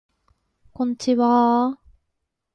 こんちはー